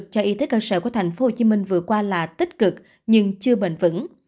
cho y tế cơ sở của tp hcm vừa qua là tích cực nhưng chưa bền vững